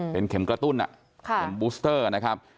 เป็นเข็มกระตุ้นเข็มบูสเตอร์นะครับ